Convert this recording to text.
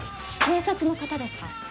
警察の方ですか？